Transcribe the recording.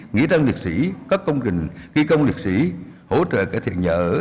nghĩa tăng liệt sĩ các công trình kỹ công liệt sĩ hỗ trợ cải thiện nhở